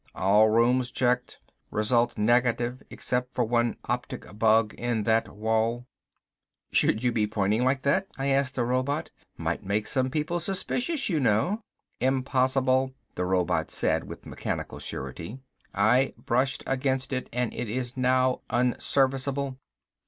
"All rooms checked. Results negative except for one optic bug in that wall." "Should you be pointing like that?" I asked the robot. "Might make people suspicious, you know." "Impossible," the robot said with mechanical surety. "I brushed against it and it is now unserviceable."